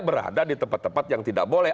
berada di tempat tempat yang tidak boleh